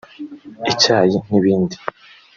icyayi n’ibindi